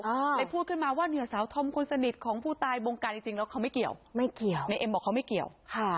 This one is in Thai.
เลยพูดขึ้นมาว่าเหนือสาวธอมคนสนิทของผู้ตายบงการจริงจริงแล้วเขาไม่เกี่ยวไม่เกี่ยวในเอ็มบอกเขาไม่เกี่ยวค่ะ